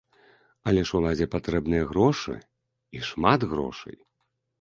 Але ж уладзе патрэбныя грошы, і шмат грошай.